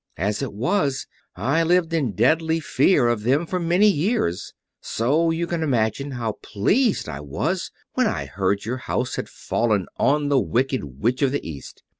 As it was, I lived in deadly fear of them for many years; so you can imagine how pleased I was when I heard your house had fallen on the Wicked Witch of the East.